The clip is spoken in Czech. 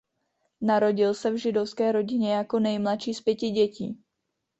Narodil se v židovské rodině jako nejmladší z pěti dětí.